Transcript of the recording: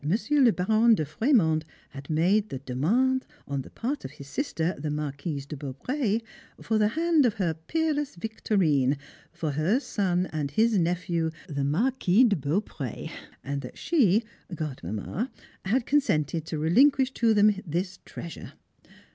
le Baron de Frémond had made the demande, on the part of his sister, the Marquise de Beaupré, for the hand of her peerless Victorine, for her son and his nephew, the Marquis de Beaupré, and that she Godmamma had consented to relinquish to them this treasure.